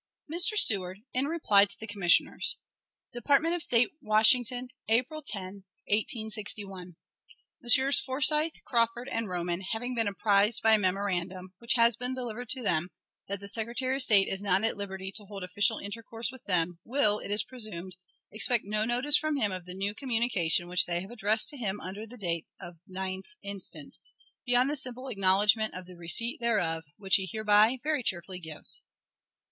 Mr. Seward in reply to the Commissioners. Department Of State, Washington, April 10, 1861. Messrs. Forsyth, Crawford, and Roman, having been apprised by a memorandum, which has been delivered to them, that the Secretary of State is not at liberty to hold official intercourse with them, will, it is presumed, expect no notice from him of the new communication which they have addressed to him under date of the 9th inst., beyond the simple acknowledgment of the receipt thereof, which he hereby very cheerfully gives.